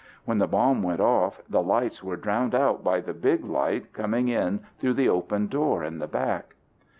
When the bomb went off, the lights were drowned out by the big light coming in through the open door in the back."